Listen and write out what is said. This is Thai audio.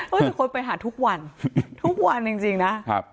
ทุกคนไปหาทุกวันทุกวันจริงนะครับ